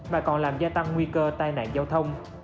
mà còn làm gia tăng nguy cơ tai nạn giao thông